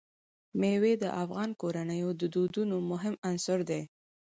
مېوې د افغان کورنیو د دودونو مهم عنصر دی.